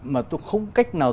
mà tôi không cách nào